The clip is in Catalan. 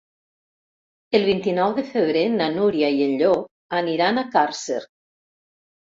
El vint-i-nou de febrer na Núria i en Llop aniran a Càrcer.